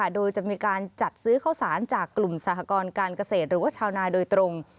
โดยจะมีการจัดซื้อข้าวสารจากกลุ่มสหกรการเกษตรหรือว่าชาวนาโดยตรง